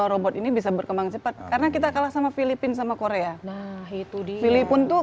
robot ini bisa berkembang cepat karena kita kalah sama filipina sama korea itu di filipina